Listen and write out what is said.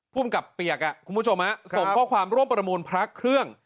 ภูมิกับเปียกคุณผู้ชมส่งข้อความร่วมประมูลพระเครื่อง